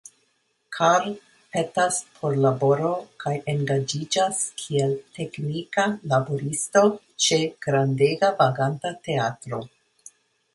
Karl petas por laboro kaj engaĝiĝas kiel "teknika laboristo" ĉe grandega vaganta teatro.